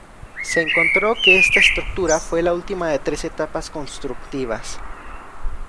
Se encontró que esta estructura fue la última de tres etapas constructivas.